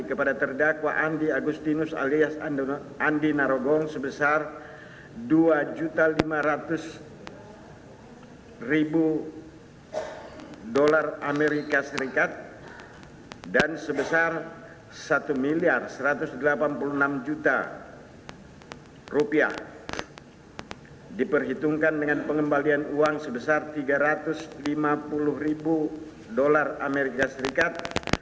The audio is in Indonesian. kepada terdakwa andi agustinus alias andi narogong sebesar dua lima juta dolar amerika serikat dan sebesar satu satu ratus delapan puluh enam miliar rupiah diperhitungkan dengan pengembalian uang sebesar tiga ratus lima puluh ribu dolar amerika serikat